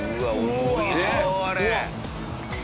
重いよあれ。